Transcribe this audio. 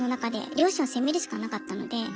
両親を責めるしかなかったので。